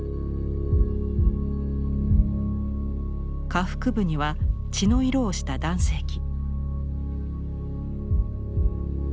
下腹部には血の色をした男性器。